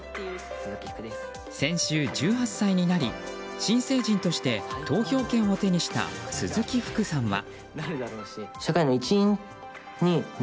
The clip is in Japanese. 先週、１８歳になり新成人として投票権を手にした鈴木福さんは。